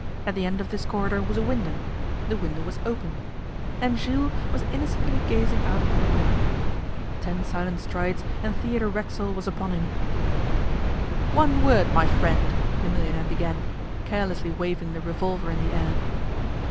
At the end of this corridor was a window; the window was open; and Jules was innocently gazing out of the window. Ten silent strides, and Theodore Racksole was upon him. 'One word, my friend,' the millionaire began, carelessly waving the revolver in the air.